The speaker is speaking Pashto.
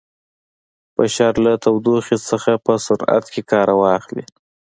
بشر له تودوخې څخه په صنعت کې کار واخلي.